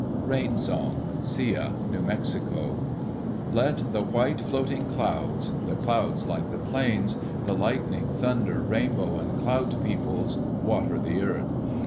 Rain Song Sia (New Mexico) Let the white floating clouds the clouds like the plains the lightning, thunder, rainbow, and cloud peoples, water the earth.